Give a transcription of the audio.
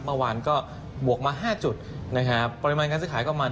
เมื่อวานก็บวกมา๕จุดนะครับปริมาณการศึกขายกว่า๕๐๐๐๐ล้าน